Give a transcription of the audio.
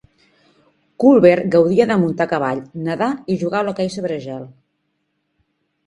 Culver gaudia de muntar a cavall, nedar i jugar a l'hoquei sobre gel.